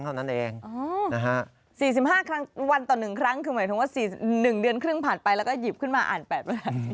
หมายถึงว่า๑เดือนครึ่งผ่านไปแล้วก็หยิบขึ้นมาอ่าน๘วัน